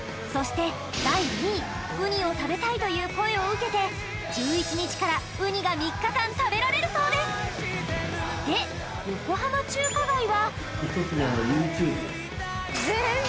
そして第２位ウニを食べたいという声を受けて１１日からウニが３日間食べられるそうですで横浜中華街は全然！